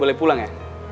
lo boleh pulang ya